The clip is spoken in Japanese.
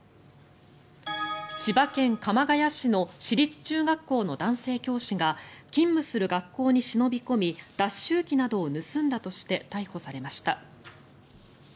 千葉県鎌ケ谷市の市立中学校の男性教師が勤務する学校に忍び込み脱臭機などを盗んだとして逮捕されました。